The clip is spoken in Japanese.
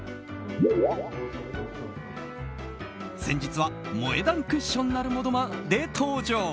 先日は萌え断クッションなるものまで登場。